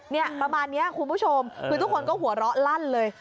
เนี่ยประมาณนี้คุณผู้ชมคือทุกคนก็หัวเราะลั่นเลย